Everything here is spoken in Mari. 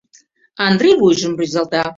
Андрий вуйжым рӱзалта.